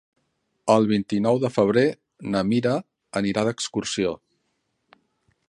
El vint-i-nou de febrer na Mira anirà d'excursió.